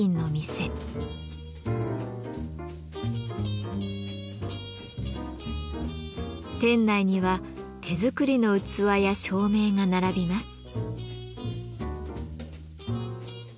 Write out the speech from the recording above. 店内には手作りの器や照明が並びます。